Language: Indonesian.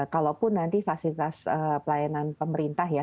kalaupun nanti fasilitas pelayanan pemerintah ya